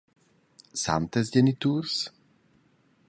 San tes geniturs?